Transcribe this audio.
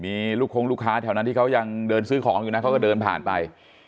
มีลูกคงลูกค้าแถวนั้นที่เขายังเดินซื้อของอยู่นะเขาก็เดินผ่านไป